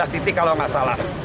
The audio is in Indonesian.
sebelas titik kalau tidak salah